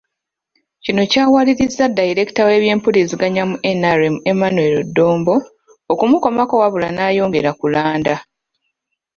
Kino kyawalirizza Dayireekita w’ebyempuliziganya mu NRM Emmanuel Dombo, okumukomako wabula ng'ayongera kulanda.